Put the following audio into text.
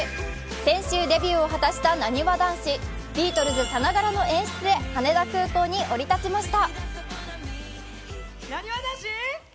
先週、デビューを果たしたなにわ男子ビートルズさながらの演出で羽田空港に降り立ちました。